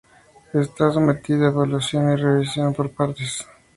Está sometida a evaluación o revisión por pares.